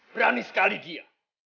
berani sekali dia